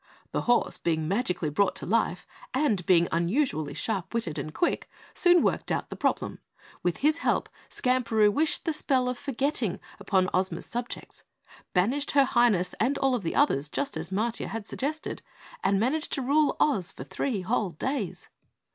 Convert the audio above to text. The horse, being magically brought to life and being unusually sharp witted and quick, soon worked out the problem. With his help Skamperoo wished the spell of forgetting upon Ozma's subjects, banished her Highness and all of the others just as Matiah had suggested and managed to rule Oz for three whole days."